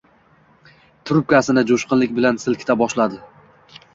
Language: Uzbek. trubkasini joʻshqinlik bilan silkita boshladi.